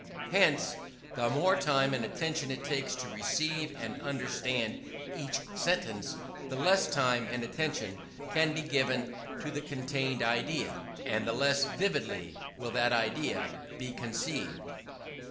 Hence, the more time and attention it takes to receive and understand each sentence, the less time and attention can be given to the contained idea; and the less vividly will that idea be conceived.